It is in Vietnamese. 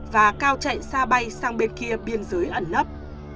và cao chạy xa bay sang bên kia biên giới ẩn nấp